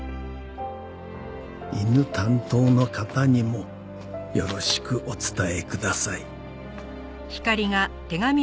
「犬担当の方にもよろしく御伝え下さい」